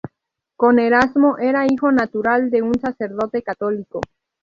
Como Erasmo, era hijo natural de un sacerdote católico.